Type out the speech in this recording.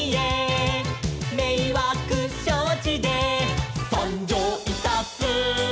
「めいわくしょうちでさんじょういたす」